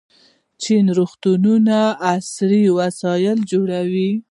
چین د روغتونونو عصري وسایل جوړوي.